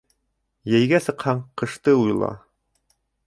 Йәйгә сыҡһаң, ҡышты уйла